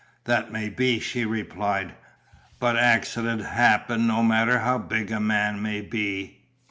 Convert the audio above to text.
"That may be," she replied, "but accidents happen no matter how big a man may be.